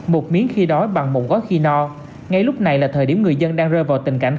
một miếng khi đói bằng một gói khi no ngay lúc này là thời điểm người dân đang rơi vào tình cảnh